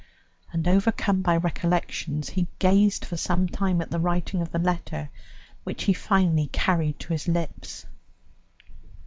And, overcome by recollections, he gazed for some time at the writing of the letter, which he finally carried to his lips.